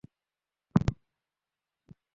তিনি অজ্ঞের মত আক্রমণের পক্ষপাতি ছিলেন না।